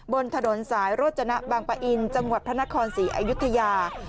บนถนนสายโรจนะบางปะอินจังหวัดพระนครศรีอยุธยา